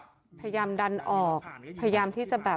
พยายามดันออกพยายามที่จะแบบ